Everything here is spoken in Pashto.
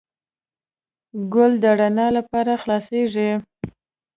ګل د رڼا لپاره خلاصیږي.